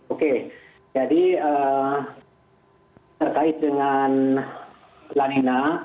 oke jadi terkait dengan lanina